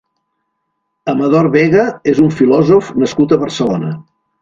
Amador Vega és un filòsof nascut a Barcelona.